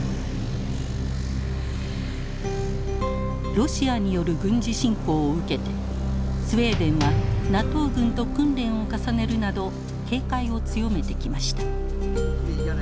ロシアによる軍事侵攻を受けてスウェーデンはＮＡＴＯ軍と訓練を重ねるなど警戒を強めてきました。